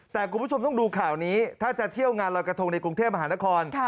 แต่คุณผู้ชมต้องดูข่าวนี้ถ้าจะเที่ยวงานรอยกระทงในกรุงเทพมหานคร